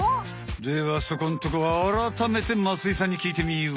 ではそこんとこあらためて増井さんにきいてみよう。